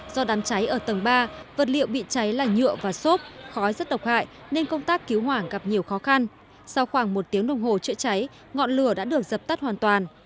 do đám cháy ở tầng ba vật liệu bị cháy là nhựa và xốp khói rất độc hại nên công tác cứu hỏa gặp nhiều khó khăn sau khoảng một tiếng đồng hồ chữa cháy ngọn lửa đã được dập tắt hoàn toàn